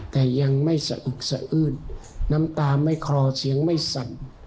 แต่ยังไม่สะอึกสะอื้นน้ำตาไม่คลอเสียงไม่สั่น